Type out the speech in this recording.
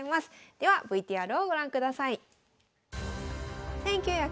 ではＶＴＲをご覧ください。